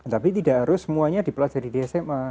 tapi tidak harus semuanya dipelajari di sma